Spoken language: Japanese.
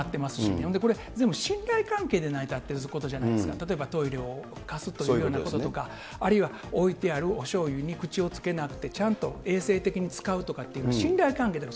ほんで、これ、全部信頼関係で成り立ってることじゃないですか、例えば、トイレを貸すということとか、あるいは置いてあるおしょうゆに口をつけなくて、ちゃんと衛生的に使うとかというのは、信頼関係なんです。